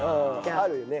あるよね？